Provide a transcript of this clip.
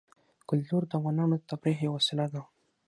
کلتور د افغانانو د تفریح یوه وسیله ده.